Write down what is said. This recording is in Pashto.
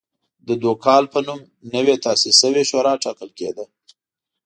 د دوکال په نوم نوې تاسیس شوې شورا ټاکل کېده